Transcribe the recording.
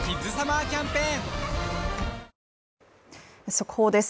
速報です。